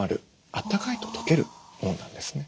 あったかいと溶けるものなんですね。